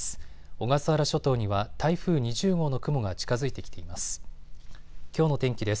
小笠原諸島には台風２０号の雲が近づいてきています。